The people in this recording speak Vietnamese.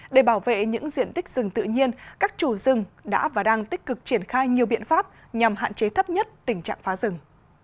để bảo vệ những diện tích rừng tự nhiên các chủ rừng đã và đang tích cực triển khai nhiều biện pháp nhằm hạn chế thấp nhất tình trạng phá rừng